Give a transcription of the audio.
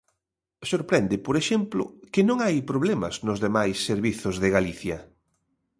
Sorprende, por exemplo, que non hai problemas nos demais servizos de Galicia.